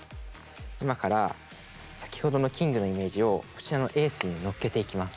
今から先ほどのキングのイメージをこちらのエースにのっけていきます。